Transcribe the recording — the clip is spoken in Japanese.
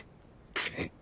くっ。